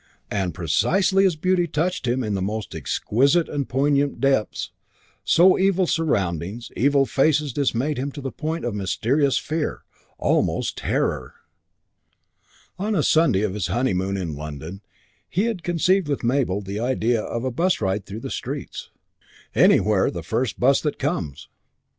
And precisely as beauty touched in him the most exquisite and poignant depths, so evil surroundings, evil faces dismayed him to the point of mysterious fear, almost terror On a Sunday of his honeymoon in London he had conceived with Mabel the idea of a bus ride through the streets, "anywhere, the first bus that comes."